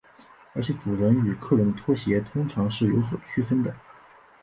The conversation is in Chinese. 而且主人与客人的拖鞋通常是有所区分的。